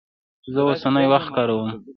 زه اوسنی وخت کاروم.